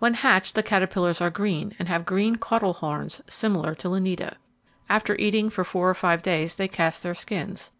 When hatched the caterpillars are green, and have grey caudal horns similar to Lineata. After eating for four or five days, they cast their skins.